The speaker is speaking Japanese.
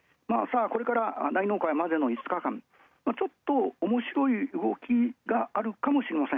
大納会までの５日間ちょっと面白い動きがあるかもしれません。